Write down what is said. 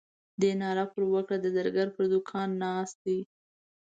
دې ناره پر وکړه د زرګر پر دوکان ناست دی.